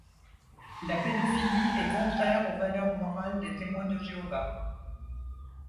La pédophilie est contraire aux valeurs morales des Témoins de Jéhovah.